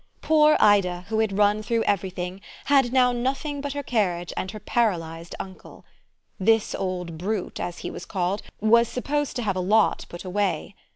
Poor Ida, who had run through everything, had now nothing but her carriage and her paralysed uncle. This old brute, as he was called, was supposed to have a lot put away.